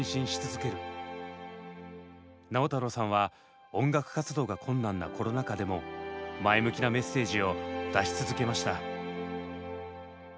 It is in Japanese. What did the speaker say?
直太朗さんは音楽活動が困難なコロナ禍でも前向きなメッセージを出し続けました。